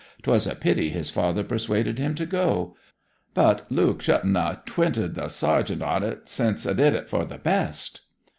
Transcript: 'Twas a pity his father persuaded him to go. But Luke shouldn't have twyted the sergeant o't, since 'a did it for the best.'